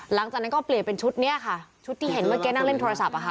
หลังจากนั้นก็เปลี่ยนเป็นชุดนี้ค่ะชุดที่เห็นเมื่อกี้นั่งเล่นโทรศัพท์